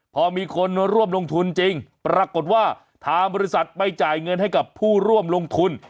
พอมีคนร่วมลงทุนจริงปรากฏว่าทางบริษัทไม่จ่ายเงินให้กับผู้ร่วมลงทุน